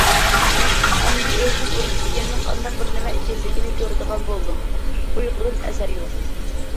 ئەمدى ئۆزۈم ئۇرۇش دېگەننىڭ قانداق بىر نېمە ئىكەنلىكىنى كۆرىدىغان بولدۇم... ئۇيقۇدىن ئەسەر يوق.